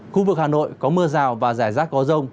khu vực hà nội có mưa rào và rải rác có rông